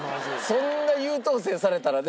そんな優等生されたらね。